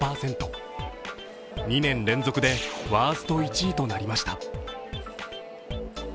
２年連続でワースト１位となりました。